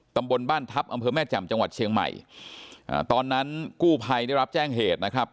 ตำบลบ้านทัพอำเภอแม่แจ่มจังหวัดเชียงใหม่อ่าตอนนั้นกู้ภัยได้รับแจ้งเหตุนะครับ